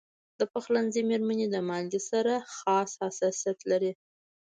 د پخلنځي میرمنې د مالګې سره خاص حساسیت لري.